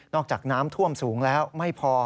จากน้ำท่วมสูงแล้วไม่พอ